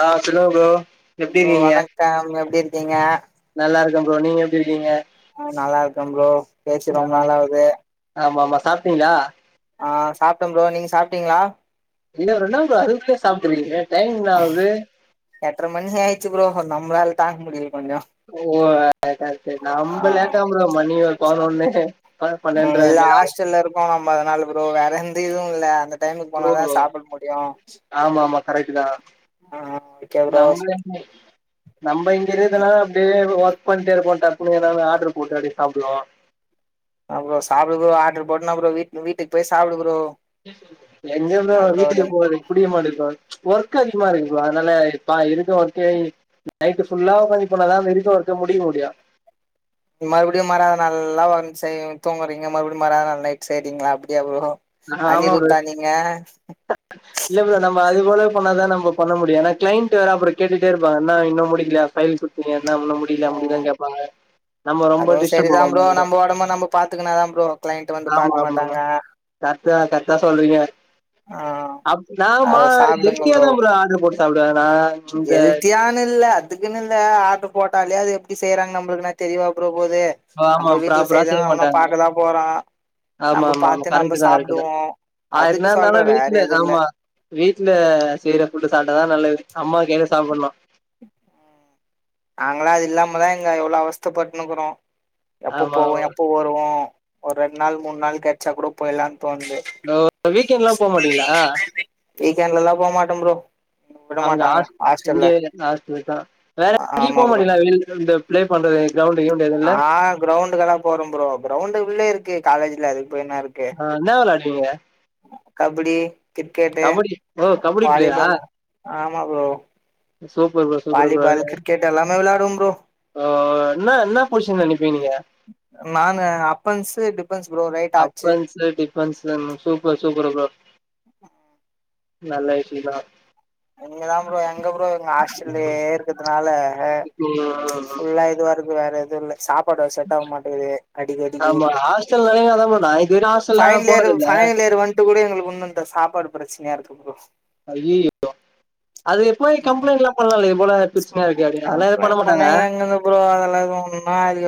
ஆ அப்டிதா ப்ரோ எப்டி ப்ரோ இருக்கீங்க வணக்கம் எப்டி இருக்கீங்க நல்லாருக்கே ப்ரோ நீங்க எப்டி இருக்கீங்க நல்லாருக்கே ப்ரோ பேசி ரொம்ப நாளாவுது ஆமாமா சாப்டீங்ளா ஆ சாப்டே ப்ரோ நீங்க சாப்டீங்ளா இல்ல ரெண்டாங் ப்ரோ அதுகுள்ளே சாப்புட்றீங்க டைம் என்ன ஆவுது எட்ற மணி ஆயிச்சு ப்ரோ நம்மளால தாக்க முடியில கொஞ்சோ [inaudible] சரி ஆ நம்ப லேட்டாவு ப்ரோ மணி ஒர் பனொன்னு பன்னெண்ர அந்மாறி ஆவு போ நம்ம அதனால ப்ரோ வேற எந்த இதுவு இல்ல அந்த டைமுக் அப்போ போனாதா சாப்ட முடியு ஆமா ஆமா கரெக்ட்தா ஓகே ப்ரோ நம்ளுக்கு நம்ப இங்க இருகதுனா அப்டியே ஒர்க் பண்ட்டே இருப்போ டப்புன்னு ஏதாது ஆர்டரு போட்டு அப்டியே சாப்டுவோ அப்ற சாப்டு ப்ரோ ஆர்டர் போட்னா ப்ரோ வீட் வீட்டுக் போய் சாப்டு ப்ரோ எங்க ப்ரோ அவ அப்றோ வீட்டுக்கு நீ போவாது புடிக்கமாட்டுக் ப்ரோ ஒர்க் அதிகமா இருக்கு ப்ரோ அதனால யப்பா இருக்க ஒர்க்கே நைட்டு ஃபுல்லா உக்காஞ்சி பண்ணாதா இருக்க ஒர்க்க முடிக்க முடியு மறுபுடியு மறாதுநாள் நல்லா வன் செய் தூங்குறீங்க மறுபுடியு மறாதுநாள் நைட் செய்றீங்ளா அப்டியா ப்ரோ ஆமா ப்ரோ அனிருத்தா நீங்க இல்ல ப்ரோ நம்ம அது போனா பண்ணாதா நம்ம பண்ண முடியு ஏனா க்ளைண்ட் வேற அப்பற கேட்டுட்டே இருப்பாங்க இன்னா இன்னு முடிக்லையா பைல்ஸ் இன்னு என்டா இன்னு முடிக்ல ம் முடிலன் கேப்பாங்க நம்ம ரொம்ப அதுவு டிஸ்டர்ப் சரிதா ப்ரோ ஆவோமா நம்ம ஒடம்பு நம்ம பாத்துக்கினாதா ப்ரோ க்ளைண்ட் வந்து பாக்க மாட்டாங்க கரட்தா கரக்டா சொல்றீங்க ஆ அப் நான்மா அத சாப்டுங்க எட்டுற தா ப்ரோ ஆ போட்டு சாப்டுவானா எல்த்தியானு இல்ல அதுக்குனு இல்ல ஆர்ட்ரு போட்டாலே அது எப்டி செய்றாங்க நம்மளுக்குன தெரியவாப் ப்றோ போது ஆமா நம்ம வீட்ல ப்ராப்பரா செய்த செய்ய அவனா மாட்டாங்க பாக்கதா போறா ஆமா நம்ப ஆமா ஆமா பாத்து நம்ப கரெக்ட்டுதா கரெக்ட்டுதா சாப்டுவோ ஆ அதுக்கு என்ன சொல்ற இருந்தாலு வேற வீட்ல எது இல்ல ஆமா வீட்ல செய்ற ஃபுட்டு் சாப்ட்டதா நல்லது அம்மா கைல சாப்புட்னோ உம் நாங்களா அது இல்லாமதா இங்க இவ்ளோ அவஸ்தப்பட்ன்னுக்குறோ எப்போ ஆமா போவோ எப்போ வருவோ ஒரு ரெண்டு நாள் மூண் நாள் கெச்சா கூட போய்ர்லான் தோண்து ஆமா வீக்கெண்ட்லா போ மாட்டீங்களா வீக்கெண்ட்ல எல்லா போ மாட்ட ப்ரோ விட மாட்டாங்க ஹாஸ்டல்ல லாஸ்ட் வீக்கா வேற எங்யு ஆமா போக ப்ரோ மாட்டிங்களா வெளிய இந்த பிளே பண்றது கிரௌண்ட் கிரவுண்ட் கிவுண்ட் எதுல்ல ஆ கிரௌண்டுக்கெல்லா போறோ ப்ரோ கிரௌண்ட் உள்ளே இருக்கு காலேஜ்ல அதுக்கு போய் என்ன இருக்கு ஆ இன்னா விளாட்டீங்க கபடி கிரிக்கெட்டு கபடி ஓ கபடி பிளேயரா வாலிபாலு ஆமா bro super bro super volleyball cricket எல்லாமே விளாடுவோ ப்ரோ ஆ நா நா பொசிஷன்ல நிப்பிங்க நீங்க நா அப்பன்சு டிப் டிபென்ஸ் ப்ரோ ரை அஃப்ன்ஸ் டிப் டிபென்ஸ்ன்னா இன்னும் சூப்பர் சூப்பர் ப்ரோ நல்ல விஷயு தா நீங்கதா ப்ரோ எங்க ப்ரோ எங்க ஆஸ்டல்லியே இருக்கிறதுனால ம் ஃபுல்லா இதுவா இருக்கு வேற எதுவு இல்ல சாப்பாடு வேற செட்டாவ மாட்டங்கிது அடிக்கடிக்கு சில நேரோ அதான் ப்ரோ நா இப்ப இருக்க as final year final year வந்ட்டு கூட எங்களுக்கு உன்னு இந்த சாப்பாடு பிரச்சனையா இருக்கு ப்ரோ அய்யயோ அதுக்கு போய் ம் கம்பளைண்ட்ளா பண்ணலா இது போல பிரச்சனையா இருக்கு அப்டின்னு அதா எது பண்ண கம்ப்ளைண்ட் மாட்டாங்க பண்ணா எங்கருந்து ப்ரோ அதெல்லா ஒன்னூ ஆது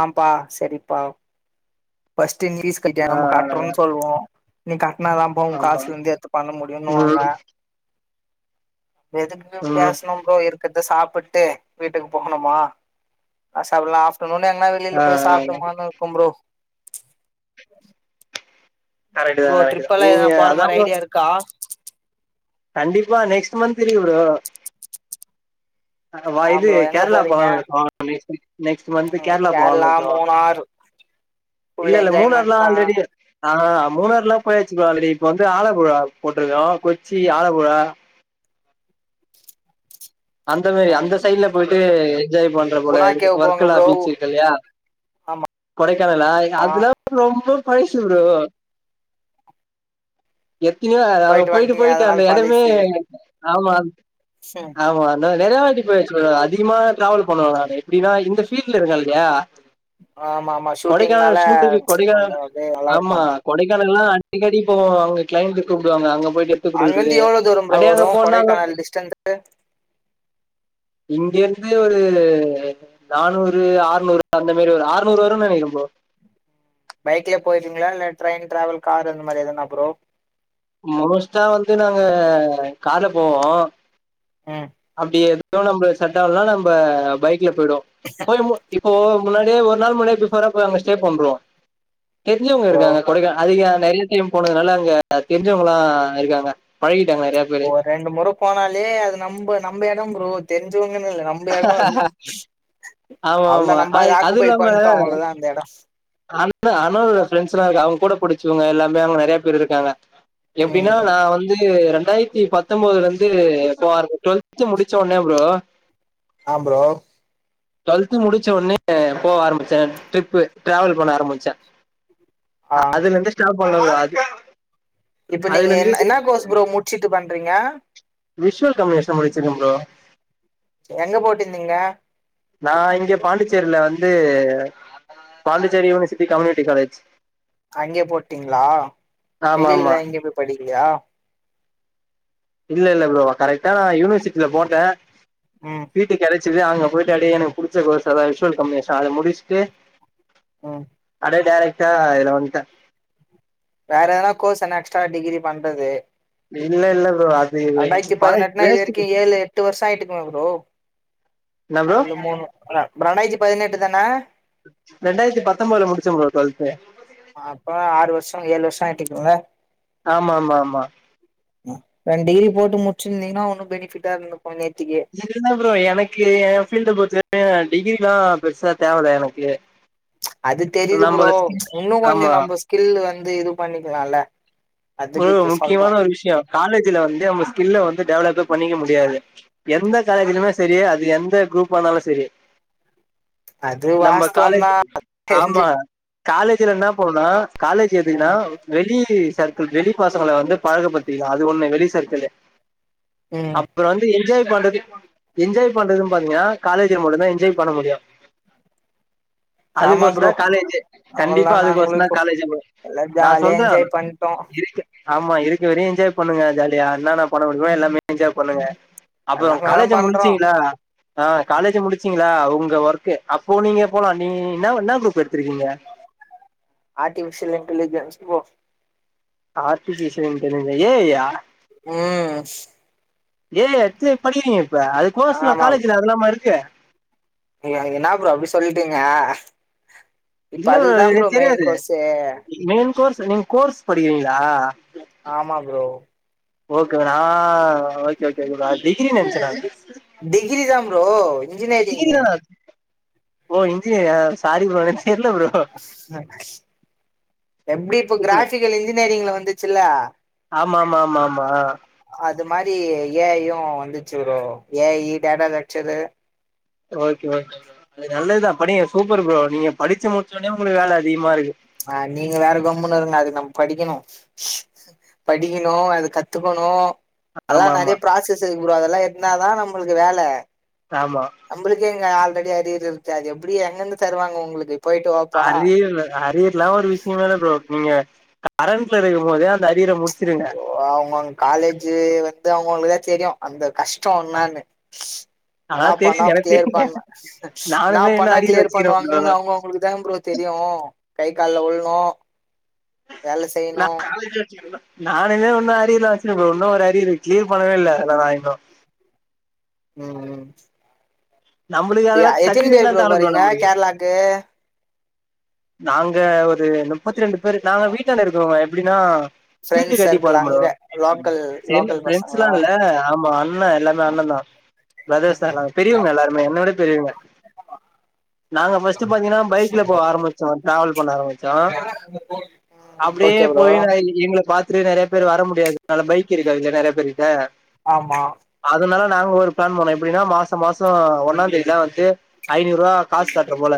ஆ பா சரிப்பா ஃப்ர்ஸ்ட் இங்கிலீஸ் கல்க்கியனம் நம்ம ஆ காட்டுறோன்னு சொல்வோ நீ கட்னா தாம்ப்பா உ ஆமா காசுல இருந்து எத்து பண்ண முடியுனுவாங்க ம் எதுக்கு ம் பேசனு ப்ரோ இருக்கு ருக்கறத சாப்புட்டு வீட்டுக்கு போகணுமா அ சர் இல்லனா சொன்னொன்னே எங்னா வெளியில ஆ போய் ஆ சாப்டோமான் இருக்கம் ப்ரோ கரெக்ட் தா ப்ரோ கரெக்ட் தா ட்ரிப்பல்லா ஏதுனா நீங்க போற அதா மாரி ப்ரோ ஐடியா இருக்கா கண்டிப்பா நெக்ஸ்ட் மன்த் இருக்கு ப்ரோ வா ஆ இது ப்ரோ எங்க கேரளா போறீங்க போலான்னு இருக்கோ நெக்ஸ்ட் நெக்ஸ்ட் மந்த் ம் போலான்னு கேரளா இருக்கோ மூனார் இல்ல இல்ல மூணாறுலா ஆல்ரெடி ஆ மூணாறு எல்லா போயாச்சு ப்ரோ ஆல்ரெடி இப்ப வந்து ஆலப்புழா போட்ருக்கோ கொச்சி ஆலப்புழா அந்த மாரி ம் அந்த சைட்ல போயிட்டு என்ஜாய் பண்ண போல குணா இருக்கு கேவ் போங்க வர்கலா ப்ரோ பீச் இருக்கு இல்லையா கொடைக்கானலா ஆமா அதுலா ரொம்ப பழ்சு ப்ரோ எத்தினியோ அது அவங்க போயிட்டு வந்ட்டீங்க போயிட்டு அந்த அதனால எடமே ஆமா செ ஆமா நெறையா வாட்டி போயச்சு ப்ரோ அதிகமா ட்ராவல் பண்ணணு நா எப்டின்னா இந்த ஃபீல்ட்ல இருக்க இல்லயா ஆமா ஆமா ஷூட்டிங்னால கொடைக்கானல் சூட்டுக்கு கொடைக்கானல் கொஞ்சோ அப்டியே நல்லா ஆமா இருக்கு கொடைக்கானல்லா அடிக்கடி போவோ அங்க கிளைண்ட் கூப்டுவாங்க அங்க போயி்ட்டு அங்கந்து எவ்ளோ தூரோ ப்ரோ வரும் கொடைக்கானல் டிஸ்டன்ஸ் இங்கிருந்து ஒரு நானூறு ஆறுநூறு அந்த மெரி ஒரு ஆறுநூறு வரு நெனைக்கிற ப்ரோ பைக்லே போயிடீங்ளா இல்ல ட்ரெயின் ட்ராவல் காரு அந்த மாரி எதுனா ப்ரோ மோஸ்டா வந்து நாங்க கார்ல போவோ ம் அப்டி எதுவும் நம்புல் செட் ஆவுல்னா நம்ப பைக்ல போய்டுவோ போய் மூ இப்போ முன்னாடியே ஒரு நாள் முன்னாடி பிஃபோராப் போயி அங்க ஸ்டே பண்றுவோ தெரிஞ்சவுங்க ப்ரோ இருக்காங்க கொடைக்கா அதிகோ நெறைய டைம் போனதுனால அங்க தெரிஞ்சவுங்லா இருக்காங்க பழகிட்டாங்க நெறைய பேரு ஒரு ரெண்டு மொற போனாலே அது நம்ப நம்ப எடோ ப்ரோ தெரிஞ்சவுங்கன்னு இல்ல நம் இந்த எடோ அது ஆமா அவுள்தா ஆமா நம்ப அ அத ஆக்குபை பண்டோ அவ்ளோதா அந்த எடோ கால் ல அண்ணனோட ஃப்ரெண்ட்ஸ்லா இருக்கு அவுங்கூட புடிச்சுவுங்க எல்லாமே அவுங்க நெறைய பேரு இருக்காங்க எப்டினா ம் நா வந்து ரெண்டாயிரத்தி பத் பத்தொம்பதுலருந்து போக ஆரம்ப டுவெல்து முடிச்ச ஒனே ப்ரோ ஆ ப்ரோ டுவெல்து முடிச்ச ஒட்னே போவ ஆரம்பிச்சே ட்ரிப்பு டிராவல் பண்ண ஆரம்பிச்சே ஆ அதுல இருந்து ஸ்டாப் பண்ணல ப்ரோ அது இப்ப நீங்க அதுல இருந்து என்ன என்னா கோஸ் ப்ரோ முச்சிட்டு பண்றீங்க விஷ்வல் கம்யுனிகேஷன் முடிச்சிருக்கே ப்ரோ எங்க போட்டுந்தீங்க நா இங்க பாண்டிச்சேரில வந்து பாண்டிச்சேரி யூனிவர்சிட்டி கம்யூனிட்டி காலேஜ் அங்கேயே போட்டீங்ளா ஆமா வெளிலல்லா ஆமா. எங்கேயே போய் படிக்கலியா இல்ல இல்ல ப்ரோ கரெக்டா யுனிவர்சிட்ல போட்டே ம் சீட்டு கெடச்சிது அங்க போய்ட்டு அப்டியே எனக்கு புடிச்ச கோஸ் அதா விஷ்வல் கம்யூனிகேஷன் அத முடிஸ்டு ம் அப்டே டேரெக்டா இதுல வந்டே வேற எதனா கோர்ஸ் என்ன எக்ஸ்ட்ரா டிகிரி பண்றது இல்ல இல்ல ப்ரோ அ அ ரெண்டாயிரத்தி பதினெட்னா இது வரைக்கு ஏலு எட்டு வருஷோ ஆயிட்றுக்குமே ப்ரோ என்ன ப்ரோ அதுல மூணு ரா ரண்டாயிரத்தி பதினெட்டு தான ரெண்டாயிரத்தி பத்தொம்பதுல முடிச்சே ப்ரோ டுவெல்த்து அப்ப ஆறு வருஷோ ஏலு வருஷோ ஆயிட்டுறுக்குமில ஆமா ஆமா ஆமா ரெண்டு டிகிரி போட்டு முச்சிருந்தீங்கன்னா ஒன்னு பெனிஃபிட்டா இருந்துருக்கு நேத்திக்கே இது என்ன ப்ரோ எனக்கு ஏ ஃபீல்ட பொறுத்த வரயு டிகிரில்லா பெருசா தேவல எனக்கு அது தெரியுது ப்ரோ நம்ம இன்னு கொஞ்சோ ஆமா நம்ம ஸ்கில் வந்து இது பண்ணிக்கலால மொதல்ல முக்கியமான ஒரு விஷ்யோ காலேஜ்ல வந்து நம்ம ஸ்கில்ல வந்து டெவலப்பே பண்ணிக்க முடியாது எந்த காலேஜிலியுமே செரி அது எந்த குரூப் ஆனாலோ செரி அது காலேஜ் வாஸ்தவந்தா தெரிஞ்சு ஆமா காலேஜ்ல இன்ன பண்ணணுனா காலேஜி எதுக்குனா ம் வெளி சர் க்கில் வெளி பசங்கள வந்து பழகப்பத்திகலா அது ஒண்ணு வெளி சர்க்கிலு ம் அப் பறோ வந்து என்ஜாய் பண்றது என்ஜாய் பண்றதுன் பாத்தீங்னா காலேஜில மட்டுதா என்ஜாய் பண்ண முடியு ஆமா அதுக்கோசந்தா ப்ரோ காலேஜு அவ்ளோலா கண்டிப்பா நாங்களு அதுக்கோசந்தா இப்போ காலேஜ் எல்லா ஜாலியா என்ஜாய் பண் இருக்க ஆமா இருக்கற வரையு என்ஜாய் பண்ணுங்க ஜாலியா இன்னானா பண்ண முடியுமோ எல்லாமே என்ஜாய் பண்ணுங்க அப்போ எல்லாமே தா காலேஜ பண்றோ முடிச்சிங்ளா ஆ ம் காலேஜ முடிச் சிங்ளா அது உங்க ஒர்க்கு அப்போ நீங்க போலா நீ இன்ன இன்னா குரூப் எடுத்திருக்கீங்க artificial intelligence bro artificial இன்டலிஜ A I யா ம் ஏ ஐ எத்து படிக்கிறிங்க இப்ப அதுக் கோஸ்லா காலேஜ்ல அதுல்லாமா இருக்கு எனக்கு இன்னா ப்ரோ அப்டி சொல்லிடீங்க இல்ல ப்ரோ எனக்கு தெரியாது கோர்ஸு மெயின் கோர்ஸ் நீங்க கோர்ஸ் படிக்கிறீங்களா ஆமா ப்ரோ ஓகே நா ஓகே ஓகே அது டிகிரி நெனச்சே நானு டிகிரி தா ப்ரோ இன்ஜினியரிங் டிகிரி தானா ஓ இன்ஜினியரா சாரி ப்ரோ எனக் தெர்ல ப்ரோ எப்டி இப்ப சூப்பர். கிராபிக்கல் இன்ஜினியரிங்ல வந்துச்சில்ல ஆமாமாமா ஆமா அது மாரி ஏ ஐயு வந்துச்சி bro A I data lecture okay okay அது நல்லதுதா படிங்க சூப்பர் ப்ரோ நீங்க படிச்சி முடிச்ச ஒன்னே ஒங்களுக்கு வேல அதிகமா இருக்கு ஆ நீங்க வேற கம்முன்னு இருங்க அதுக்கு நம்ம படிக்கணு படிக்கணு அது கத்துக்கணு அதெல்லா ஆமா ஆமா நெறயா ப்ராசஸ் இருக்கு ப்ரோ அதெல்லா எட்னாதா நம்மளுக்கு வேல ஆமா நம்பளுக்கே இங்க ஆல்ரெடி அரியரு இருக்கு அது எப்டி எங்கந்து தருவாங்க உங்களுக்கு போயிட்டு வாப்பா அரியர் அரியர்லா ஒரு விஷயமே இல்ல ப்ரோ நீங்க கரண்ட்ல இருக்கும் போதே அந்த அரியர முடிச் அய்யோ ஆமாங்க காலேஜு வந்து அவுங்க அவுங்களுக்குதா தெரியு அந்த கஷ்டோ என்னான்னு அதா என்னா பண்ணா தெரியுது எனக்கு கிளியர் தெரியுங்க பண் என்னா நானுமே இன்னு பண்ணா அரியர் கிளியர் வச்சுக்கிறே ப்ரோ பண்ணுவாங்கன்னு அவுங்க அவுங்களுக்குதா ப்ரோ தெரியு கை கால்ல விழனு வேல நா செய்யணு நானுமே இன்னு அரியர்லா வச்சிருக்கே ப்ரோ இன்னு ஒரு அரியரு க்ளியர் பண்ணவே இல்ல அத நா இன்னு ம் நம்மளுக்கு ம் ஆ அதெல்லா எத்தின பேர் சர்டிஃபிகேட்லா ப்ரோ தேவல்ல போறீங்க நம்மளுக்கு கேரளாக்கு நாங்க ஒரு நுப்பத்தி ரெண்டு பேர் நாங்க வீட்டாண்ட இருக்குறவங்க எப்டின்னா சீட்டு ஃப்ரெண்ட்ஸ் கட்டி சர்க்கிள் போறே ப்ரோ அங்க லோக்கல் சேந்து லோக்கல் ஃப்ரெண்ட்ஸ்லா பசங்களா இல்ல ஆமா அண்ணே எல்லாமே அண்ணேதா பிரதர்ஸ்தா ம் எல்லா பெரியவங்க எல்லாருமே என்ன விட பெரியவங்க நாங்க ஃபர்ஸ்ட் பாத்தீங்கன்னா பைக்ல போ ஆரமிச்சோ டிராவல் பண்ண ஆரமிச்சோ அப்டியே ஓகே ப்ரோ போயின்னாயி இவுங்கள பாத்துட்டு நெறயா பேர் வர முடியாதுனால பைக் இருக்காதுல்ல நெறய பேருகிட்ட ஆமா அதுனால நாங்க ஒரு பிளான் பண்ணோ எப்டின்னா மாசோ மாசோ ஒன்னாந்தேதிலா வந்து ஐநூருவா காஸ் கட்ற போல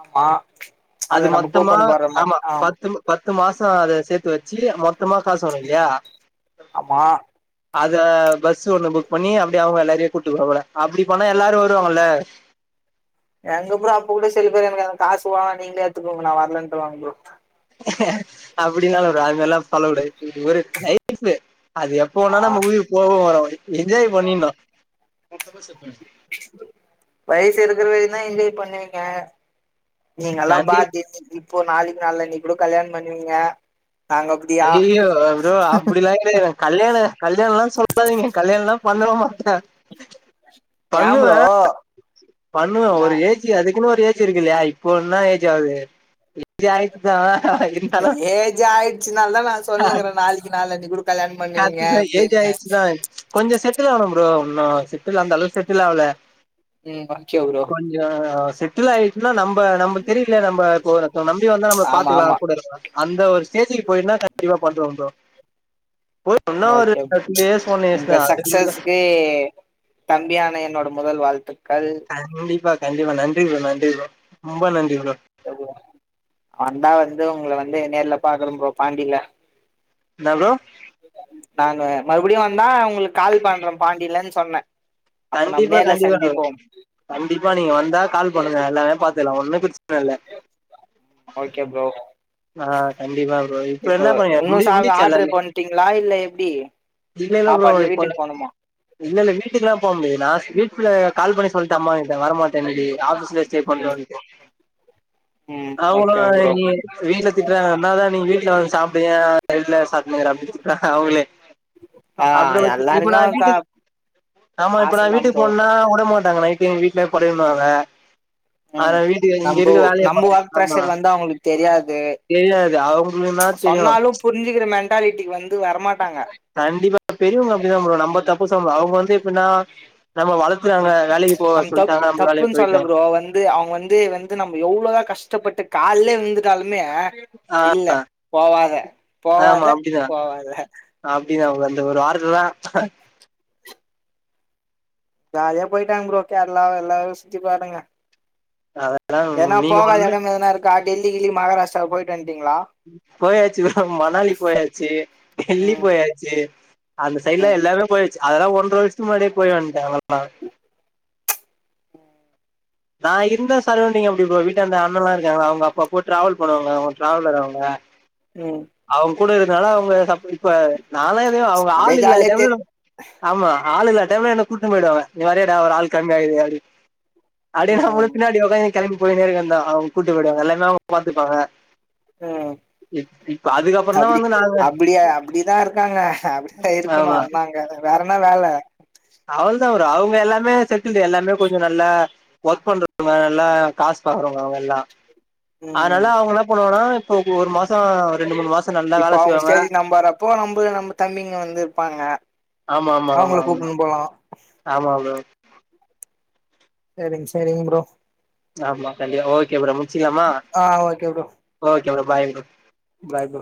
ஆமா அது அத நம்ம மொத்தமா கூப்பன் போடுற மாரி ஆமா ஆ பத்து பத்து மாசோ அத சேத்து வச்சி மொத்தமா காசு வரு இல்லையா ஆமா அத பஸ் ஒண்ணு புக் பண்ணி அப்டி அவுங்க எல்லாரையு கூட்டு போற போல அப்டி பண்ணா எல்லாரு வருவாங்கல்ல எங்க ப்ரோ அப்ப கூட சில பேர் எனக்கு அந்த காசு வேணா நீங்களே எடுத்துக்கோங்க நா வரலன்ருவாங்க ப்ரோ அப்டின்னாலு வரு அது மாரில்லா பண்ண கூடாது இது ஒரு லைஃப் அது எப்ப வேணாலு ஆ நம்ம உயிர் போவு வரு என்ஜாய் பண்ணிர்ணு வயசு இருக்குற வரைக்குந்தா என்ஜாய் பண்ணுவீங்க நீங்க எல்லா கண்டி பாக்யசாலி இப்போ நாளைக்கி நாளான்னைக்கூட கல்யாணோ பண்ணுவீங்க நாங்க அப்டியா அய்யய்யோ ப்ரோ அப்டிலா கல்யாணோ கல்யாணல்லா சொல்லாதீங்க கல்யாணல்லா பண்ணவே மாட்டே ஏ ப்ரோ பண்ணுவே பண்ணுவே நா ஒரு ஏஜ் ஏஜ் அதுக்குன்னு ஒரு ஏஜ் இருக்கு இல்லையா இப்போ என்ன ஏஜ் ஆகுது ஏஜ் ஆயிட்தா ஏஜ் ஆயிடுச்சுனால தா நா சொல்லுங்கற நாளைக்கு நாளன்னைக்கு கூட கல்யாணம் பண்ணிவீங்க அப்டின்னு கொஞ்சோ செட்டில் ஆனு ப்ரோ இன்னு செட்டில் அந்த அளவு செட்டில் ஆவல உம் வாக்கே ப்ரோ கொஞ்சோ செட் கில்லாயிட்டுனா நம்ப நம்ள தெரில நம்ப கொரத்தம் நம்பி வந்தா நம்ள ஆமா பாத்துகிலா ஆமா கூட இருக்கலா அந்த ஒரு ஸ்டேஜிக்கு போயின்னா கண்டிப்பா பண்றோ போ இன்னா ஒரு ஓகே அ டூ இயர்ஸ் ஒன் இயர்ஸ் உங்க [unintelligible] அது [unintelligible] தம்பியான என்னோட முதல் வாழ்துக்கள் கண்டிப்பா கண்டிப்பா நன்றி ப்ரோ நன்றி ப்ரோ ரொம்ப நன்றி ப்ரோ வன்டா வந்து உங்கள வந்து நேர்ல பாக்குற ப்ரோ பாண்டில என்ன ப்ரோ நானு மறுபடியு வந்தா உங்களுக்கு கால் பண்ற பாண்டிலன் சொன்ன கண்டிப்பா கண்டிப்பா தோழன் கண்டிப்பா நீங்க வந்தா கால் பண்ணுங்க எல்லாமே பாத்தெல்லா ஒன்னு பிர்ச் ஓகே ப்ரோ ஆ கண்டிப்பா ப்ரோ இப்ப இப்போ என்ன பண்ணீங்க உன்னு முடி சாக முடிச்சா ஆர்டர் எல்லாமே பண்ட்டீங்ளா இல்ல எப்டி சாப்பாட்டு இல்ல வீட்டுக்கு போணுமா இல்லல்ல வீட்டுக்லா போக முடியாது நா வீட்குல கால் பண்ணி சொல்டம்மா கிட்ட வரமாட்டேனு இன்னகி ஆபீஸ்ல ஸ்டே ம் பண்றோன்ட்டு ம் அவங்களோட ஓகே ப்ரோ நீ வீட்ல திட்றாங்கனாதா நீ வீட்ல வந்து சாப்பிடு ஏ வேல சாப்டுனுகுற அப்டி திட்டுறாங்க அவங்களே ஆ அப்ரோ வந்து இப்ப நா எல்லாருக்கு சா வீட்டுக்கு ஆமா இப்ப நா பாசந்தா வீட்டுக்கு ப்ரோ போனா உடமாட் டாங்க நைடே வீட்லபடுனுவாக ம் அதனால வீட்டுக்கு இங்க நம்ப இருக்க நம்ப வேலையபாற ஒர்க் ஆமா ப்ரெஷர் வந்து அவங்களுக்கு தெரியாது தெரியாது அவங்களுனா தெரியு புரிஞ்சுகிற மெண்டாலிட்டிகு வந்து வரமாட்டாங்க கண்டிபா பெரிவங்க அப்டிதா ப்ரோ நம்ம தப்பு சொமுடியாது அவங்க வந்து எப்னா நம்ம வளத்துறாங்க வேலையி நம் தப்பு தப்புன்னு சொல்ல ப்ரோ வந் அவங்க வந்து வந்து நம்ம எவ்ளோதா கஷ்டபட்டு காலலே வந்துடாலுமே ஆ இல்ல போவாத ஆமா போவாத அப்டிதா போவாத அப்டிதா ப்ரோ அந்த ஒரு வார்த்ததா ஜாலியா போயிடாங்க ப்ரோ கேரளாவ எல்லாவ சுத்தி பாருங்க அவ ஏனா போகாத எடம் எதனா இருக்கா டெல்லி கில்லி மாகாராஷ்ரா போயிட்டு வண்டீங்ளா போயாச்சி ப்ரோ மனாலி போயாச்சி டெல்லி ம் போயாச்சி அந்த சைடுல ம் எல்லாமே போயாச்சி அதெல்லா ஒன்றவருஷத்துகு முனாடியே போய் வன்ட்ட அதெலா நா இருந்த சரௌண்டிங் அப்டி ப்ரோ வீட்டான்ட அண்ணல்லா இருக்காங்கள்ளா அவங்க அப்பப்போ ட்ராவல் பண்ணுவாங்க அவங்க டிராவலர் அவங்க உ அவங்க கூட இருக்கனால அவங்க சப் இப்ப நாலா எதயு அவங்க அப்டியே ஆள் இல்லாத ஜாலியா தெ டைம்ல ஆமா ஆள் இல்லா டைம்ல என்ன கூட்டுனு போயிடுவாங்க நீ வரியாடா ஒரு ஆள் கம்மியாகுது அப்டினு அப்டியேனா நானு ம் பினாடி உகாந்துனு கெளம்பி போயினேருக வேண்டியதா அவங்க கூட்டு போயிடுவாங்க எல்லாமே அவங்க பாதுப்பாங்க ம் அப்டி வந்து நாங்க அப்டியா அபடிதா இருகாங்க அப்டிதா இருக்கணு ஆமா அண்ணாங்க வேறனா வேல அவ்ளதா வரும் அவங்க எல்லாமே செட்டில் எல்லாமே கொஞ்சம் நல்லா ஒர்க் பண்றவங்க நல்லா காசு பாக்குறங்க அவங்க எல்லா அதனால ம் அவங்கனா பண்ணுவோனா இப்போ ஒரு மாச ரெண்டு மூணு மாச இப்ப அவங்க ஸ்டேஜ் நம்பறப்போ நம்ப நம்ம தம்பிங்க வந்து இருபாங்க ஆமா ஆமா ஆமா அவங்கள ஆமா கூப்பிடுனு போலா ஆமா ப்ரோ செரிங்க செரிங்க ப்ரோ ஆமா கண்டிபா ஓகே ப்ரோ முடிச்குலாமா ஆ okay bro okay bro bye bro bye bro